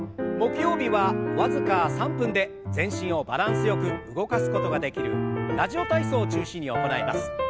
木曜日は僅か３分で全身をバランスよく動かすことができる「ラジオ体操」を中心に行います。